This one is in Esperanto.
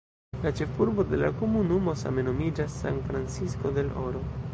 La ĉefurbo de la komunumo same nomiĝas "San Francisco del Oro".